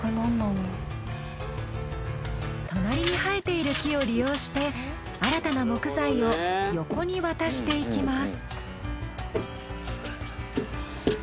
隣に生えている木を利用して新たな木材を横に渡していきます。